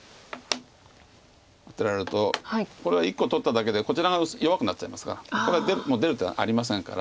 アテられるとこれは１個取っただけでこちらが弱くなっちゃいますからこれは出る手はありませんから。